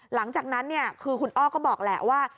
หลังจากนั้นคือคุณอ้อก็บอกแหละว่า